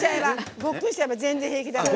ごっくんしちゃえば全然、平気だから。